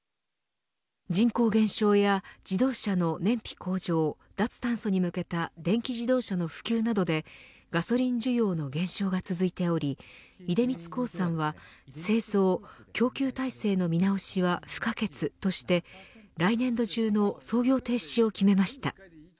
人口減少や自動車の燃費向上脱炭素に向けた電気自動車の普及などでガソリン需要の減少が続いており出光興産は製造・供給体制の見直しは不可欠として来年度中の操業停止を決めました。